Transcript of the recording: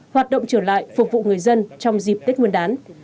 hoạt động trở lại phục vụ người dân trong dịp tết nguyên đán